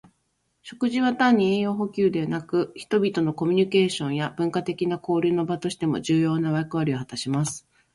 食事は単に栄養補給だけでなく、人々のコミュニケーションや文化的な交流の場としても重要な役割を果たします。